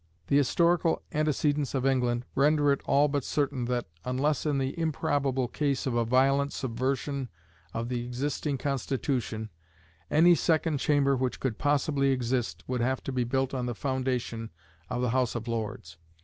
The historical antecedents of England render it all but certain that, unless in the improbable case of a violent subversion of the existing Constitution, any second Chamber which could possibly exist would have to be built on the foundation of the House of Lords.